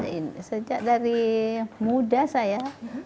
biasa itu sejak dari muda saya